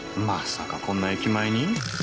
まさかこんな駅前に？